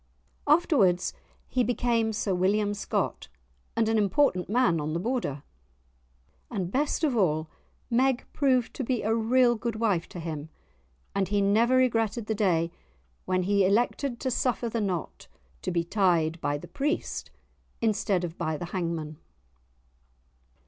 Afterwards he became Sir William Scott, and an important man on the Border. And, best of all, Meg proved to be a real good wife to him, and he never regretted the day when he elected to suffer the knot to be tied by the priest instead of by the hangman.